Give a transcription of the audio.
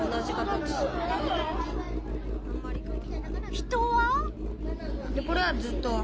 人は？